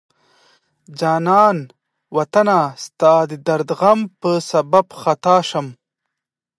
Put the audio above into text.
جانان وطنه ستا د درد غم په سبب خطا شم